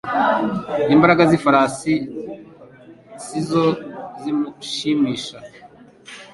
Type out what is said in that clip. Imbaraga z’ifarasi si zo zimushimisha